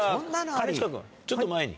兼近君ちょっと前に。